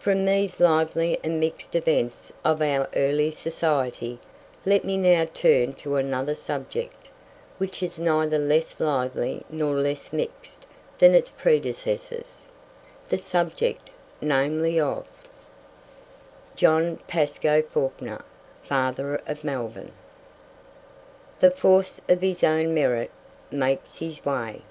From these lively and mixed events of our early society, let me now turn to another subject, which is neither less lively nor less mixed than its predecessors the subject, namely, of: JOHN PASCOE FAWKNER, FATHER OF MELBOURNE. "The force of his own merit makes his way."